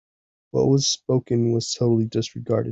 What was spoken was totally disregarded.